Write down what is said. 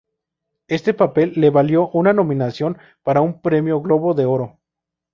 Este papel le valió una nominación para un premio Globo de Oro.